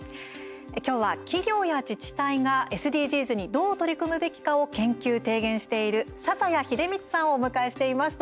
きょうは企業や自治体がＳＤＧｓにどう取り組むべきかを研究、提言している笹谷秀光さんをお迎えしています。